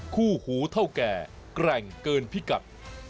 คู่หูเท่าแก่แกร่งเกินพิกัด